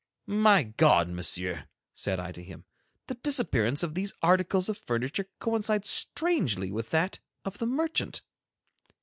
"My God, Monsieur," said I to him, "the disappearance of these articles of furniture coincides strangely with that of the merchant."